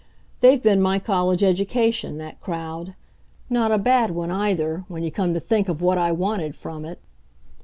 They've been my college education, that crowd. Not a bad one, either, when you come to think of what I wanted from it.